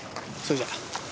それじゃ。